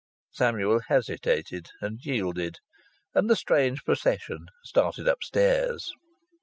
Samuel hesitated, and yielded. And the strange procession started upstairs.